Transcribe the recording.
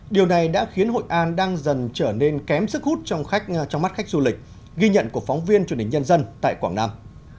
điều này đã khiến hội an đang dần trở nên kém sức hút trong mắt khách du lịch ghi nhận của phóng viên truyền hình nhân dân tại quảng nam